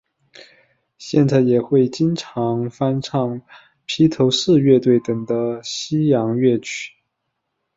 现在也会经常翻唱披头四乐队等的西洋乐曲。